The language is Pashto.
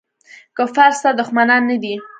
کفار ستا دښمنان نه دي.